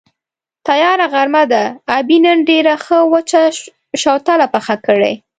تیاره غرمه ده، ابۍ نن ډېره ښه وچه شوتله پخه کړې.